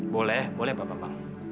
boleh boleh pak bambang